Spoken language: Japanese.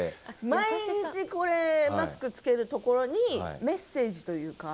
毎日マスク着けるところにメッセージというか。